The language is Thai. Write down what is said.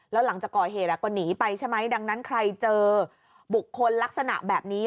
แล้วหลังจากก่อเหตุก็หนีไปใช่ไหมดังนั้นใครเจอบุคคลลักษณะแบบนี้